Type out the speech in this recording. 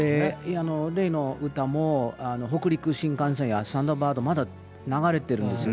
例の歌も、北陸新幹線やサンダーバード、まだ流れてるんですよ。